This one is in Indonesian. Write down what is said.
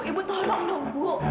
ibu tolong dong ibu